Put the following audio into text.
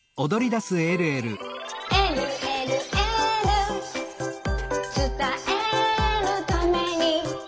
「えるえるエール」「つたえるために」